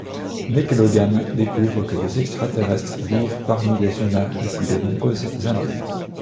Nick Logan découvre que des extraterrestres vivent parmi les humains depuis de nombreuses années.